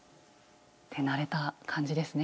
手慣れた感じですね。